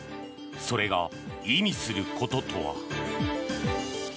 それが意味することとは。